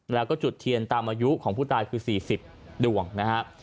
แล้วก็จุดเทียนตามอายุของผู้ตายคือ๔๐ดวงนะฮะ